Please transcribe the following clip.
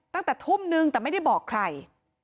ตั้งแต่ทุ่มนึงแต่ไม่ได้บอกใคร